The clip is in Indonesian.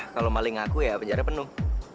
kalau maling ngaku ya penjara penuh